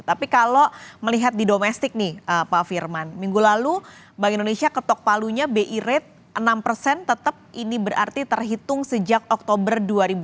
tapi kalau melihat di domestik nih pak firman minggu lalu bank indonesia ketok palunya bi rate enam persen tetap ini berarti terhitung sejak oktober dua ribu dua puluh